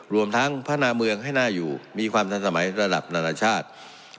รวมทั้งพัฒนาเมืองให้น่าอยู่มีความทันสมัยระดับนานาชาติ